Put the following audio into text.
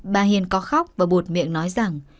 bà hiền có khóc và buột miệng nói rằng